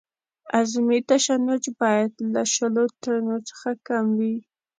اعظمي تشنج باید له شلو ټنو څخه کم وي